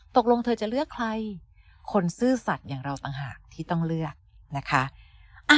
ตกลงเธอจะเลือกใครคนซื่อสัตว์อย่างเราต่างหากที่ต้องเลือกนะคะ